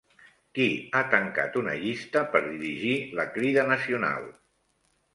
Qui ha tancat una llista per dirigir la Crida Nacional?